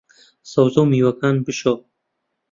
سەوزە و میوەکان بشۆ